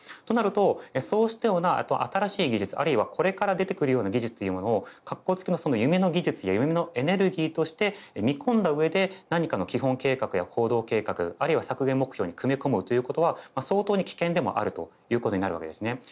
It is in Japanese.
となるとそうしたような新しい技術あるいはこれから出てくるような技術というものを括弧つきの夢の技術や夢のエネルギーとして見込んだうえで何かの基本計画や行動計画あるいは削減目標に組み込むということは相当に危険でもあるということになるわけですね。